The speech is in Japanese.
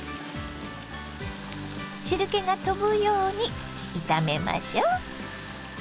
汁けが飛ぶように炒めましょ。